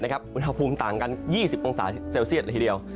อุณหภูมิต่างกัน๒๐องศาเซลเซียตเลยทีเดียว